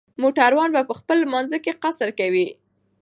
موټروان به په خپل لمانځه کې قصر کوي